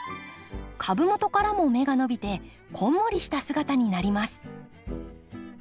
株元からも芽が伸びてこんもりした姿になります。